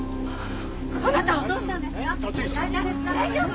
大丈夫！？